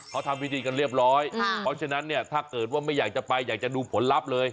เขาทำพิธีกันเรียบร้อยเพราะฉะนั้นเนี่ยถ้าเกิดว่าไม่อยากจะไปอยากจะดูผลลัพธ์เลย